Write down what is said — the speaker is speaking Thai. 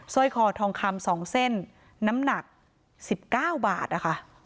สร้อยคอทองคำสองเส้นน้ำหนักสิบเก้าบาทนะคะ